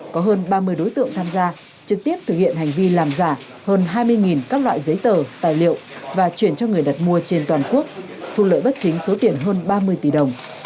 có hơn ba mươi đối tượng tham gia trực tiếp thực hiện hành vi làm giả hơn hai mươi các loại giấy tờ tài liệu và chuyển cho người đặt mua trên toàn quốc thu lợi bất chính số tiền hơn ba mươi tỷ đồng